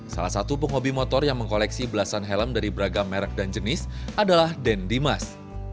salah satu penghobi motor yang mengkoleksi belasan helm dari beragam merek dan jenis adalah den dimas